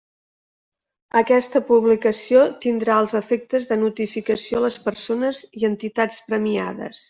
Aquesta publicació tindrà els efectes de notificació a les persones i entitats premiades.